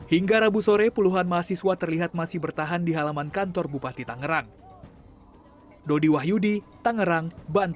hingga rabu sore puluhan mahasiswa terlihat masih bertahan di halaman kantor bupati tangerang